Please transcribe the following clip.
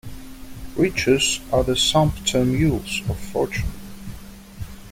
Riches are the sumpter mules of fortune.